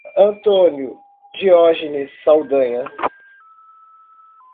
Antônio Diogenes Saldanha